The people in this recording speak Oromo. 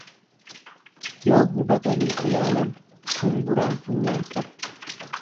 Yoo hubatanii ilaalan shumburaan funyaan qabdi.